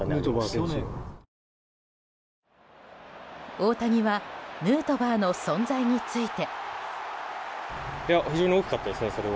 大谷はヌートバーの存在について。